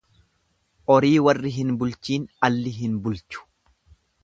Orii warri hin bulchiin alli hin bulchu.